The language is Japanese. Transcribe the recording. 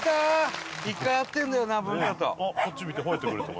こっち見て吠えてくれてる。